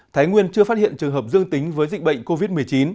thái nguyên chưa phát hiện trường hợp dương tính với dịch bệnh covid một mươi chín